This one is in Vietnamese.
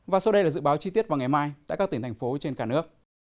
và sau đây là dự báo chi tiết vào ngày mai tại các tỉnh thành phố trên cả nước